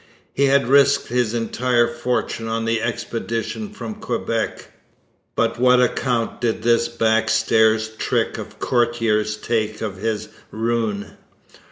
He had risked his entire fortune on the expedition from Quebec; but what account did this back stairs trick of courtiers take of his ruin?